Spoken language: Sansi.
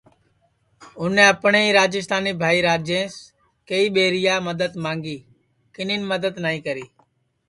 اُنے اپٹؔے ہی راجیستانی بھائی راجاوں سے کئی ٻیریا مددت مانگی کِنین مددت نائی کری